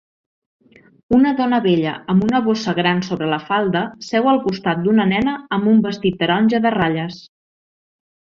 Una dona vella amb una bossa gran sobre la falda seu al costat d'una nena amb un vestit taronja de ratlles